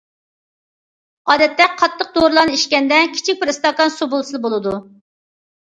ئادەتتە قاتتىق دورىلارنى ئىچكەندە، كىچىك بىر ئىستاكان سۇ بولسىلا بولىدۇ.